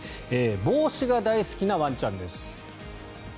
帽子が大好きなワンちゃんです。